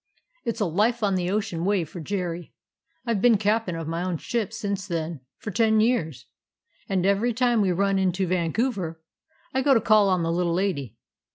It 's a life on the ocean wave for Jerry. I 've been cap'n of my own ship since then, for ten years; and every time we run in to Vancouver, I go to call on the little lady.